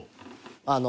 あの。